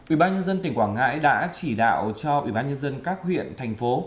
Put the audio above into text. ủy ban nhân dân tỉnh quảng ngãi đã chỉ đạo cho ủy ban nhân dân các huyện thành phố